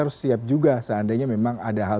harus siap juga seandainya memang ada hal